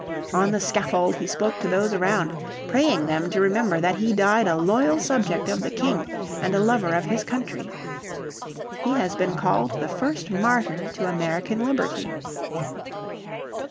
On the scaffold he spoke to those around, praying them to remember that he died a loyal subject of the King, and a lover of his country. He has been called the first martyr to American liberty.